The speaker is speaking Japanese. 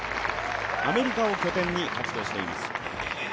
アメリカを拠点に活動しています。